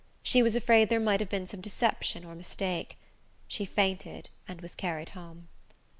She was afraid there might have been some deception or mistake. She fainted, and was carried home.